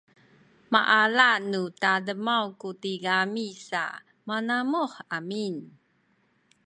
maala nu tademaw ku tigami sa manamuh amin